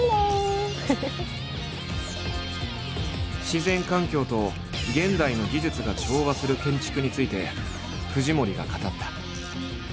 自然環境と現代の技術が調和する建築について藤森が語った。